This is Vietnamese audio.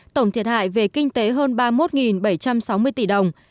tổng thiệt hại về kinh tế hơn ba mươi một bảy trăm sáu mươi tỷ đồng